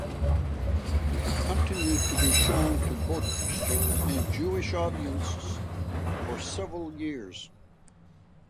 It continued to be shown to both Christian and Jewish audiences for several years.